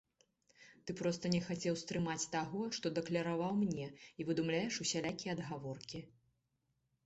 Ты проста не хацеў стрымаць таго, што дакляраваў мне, і выдумляеш усялякія адгаворкі.